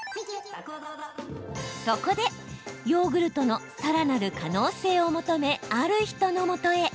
そこで、ヨーグルトのさらなる可能性を求めある人のもとへ。